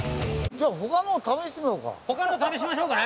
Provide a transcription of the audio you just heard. じゃあ他のも試してみようか。